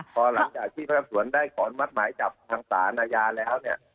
พอหลังจากที่สอบสวนได้ขออนุมัติหมายจับทางศาลนายาแล้ว